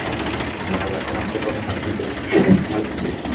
আমরা হাজারও মানুষের কর্মসংস্থান করেছি, ভালো বেতন দিয়েছি।